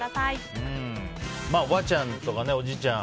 おばあちゃんとかおじいちゃん